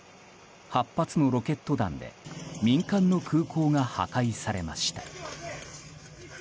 ８発のロケット弾で民間の空港が破壊されました。